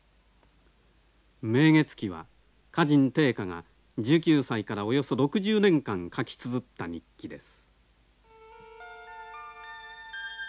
「明月記」は歌人定家が１９歳からおよそ６０年間書きつづった日記です。